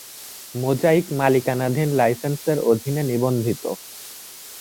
Mosaic মালিকানাধীন লাইসেন্সের অধীনে নিবন্ধিত।